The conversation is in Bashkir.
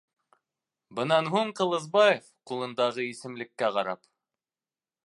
Бынан һуң Ҡылысбаев, ҡулындағы исемлеккә ҡарап: